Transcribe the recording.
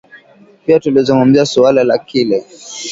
Pia tulizungumzia suala la kile